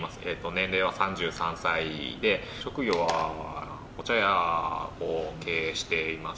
年齢は３３歳で、職業はお茶屋を経営しています。